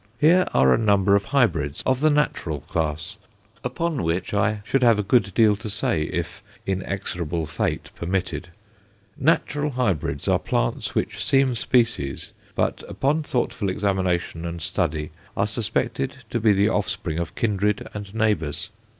Here are a number of Hybrids of the "natural class," upon which I should have a good deal to say if inexorable fate permitted; "natural hybrids" are plants which seem species, but, upon thoughtful examination and study, are suspected to be the offspring of kindred and neighbours.